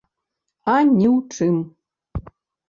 А ні ў чым.